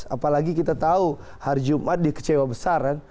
apalagi kita tahu hari jumat dia kecewa besar kan